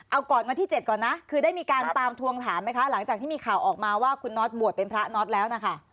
เอาก่อนวันที่๗ก่อนนะคือได้มีการตามทวงถามไหมคะหลังจากที่มีข่าวออกมาว่าคุณน็อตบวชเป็นพระน็อตแล้วนะคะ